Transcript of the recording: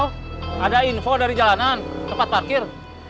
ada info dari jalanan tempat parkir